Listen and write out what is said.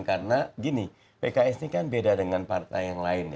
karena gini pks ini kan beda dengan partai yang lain